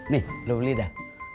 nih lu beli dah